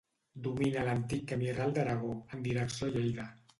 Domina l'antic camí ral d'Aragó, en direcció a Lleida.